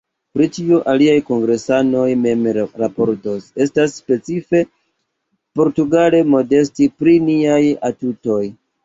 Pri ĉio alia kongresanoj mem raportos — estas specife portugale modesti pri niaj atutoj.